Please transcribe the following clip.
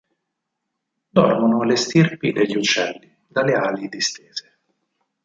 Dormono le stirpi degli uccelli, dalle ali distese.